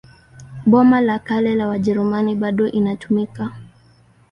Boma la Kale la Wajerumani bado inatumika.